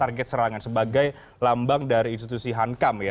target serangan sebagai lambang dari institusi hankam ya